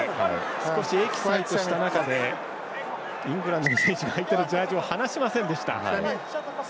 少しエキサイトした中でイングランドの選手が相手のジャージを離しませんでした。